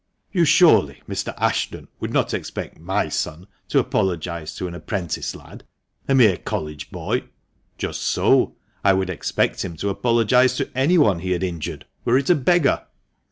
"You surely, Mr. Ashton, would not expect my son to apologise to an apprentice lad, a mere College boy." "Just so! I would expect him to apologise to anyone he had injured, were it a beggar!"